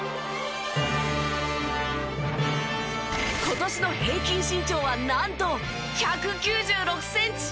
今年の平均身長はなんと１９６センチ。